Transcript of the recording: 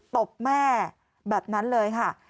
ตบแม่แบบนั้นเลยค่ะ